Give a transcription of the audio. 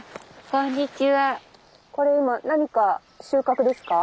これ今何か収獲ですか？